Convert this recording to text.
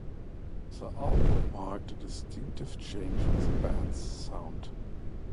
The album marked a distinctive change in the band's sound.